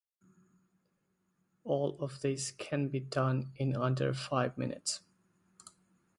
All of this can be done in under five minutes.